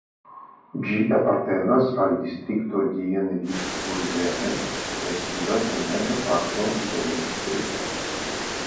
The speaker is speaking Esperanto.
Ĝi apartenas al distrikto Dienvidkurzeme kaj situas en meza parto de la distrikto.